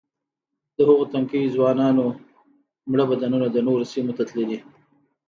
د هغو تنکیو ځوانانو مړه بدنونه د نورو سیمو ته تللي.